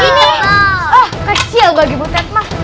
ini ah kecil bagi butet mah